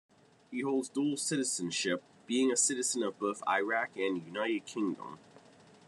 He holds dual citizenship, being a citizen of both Iraq and United Kingdom.